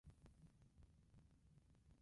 It is their third full album.